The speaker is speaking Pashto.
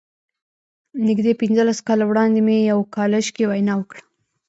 نږدې پينځلس کاله وړاندې مې په يوه کالج کې وينا وکړه.